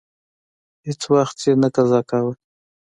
هیڅ وخت یې نه قضا کاوه.